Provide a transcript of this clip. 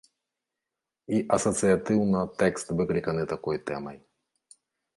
І асацыятыўна тэкст выкліканы такой тэмай.